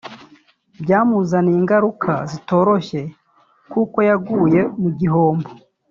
byamuzaniye ingaruka zitoroshye kuko yaguye mu bihombo